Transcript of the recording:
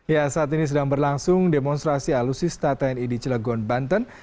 ya saat ini sedang berlangsung demonstrasi alusista tni di cilegon banten